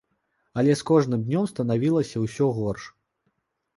Але з кожным днём станавілася ўсё горш.